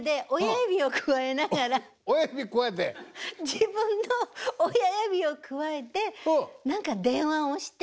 自分の親指をくわえて何か電話をして。